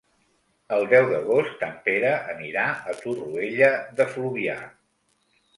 El deu d'agost en Pere anirà a Torroella de Fluvià.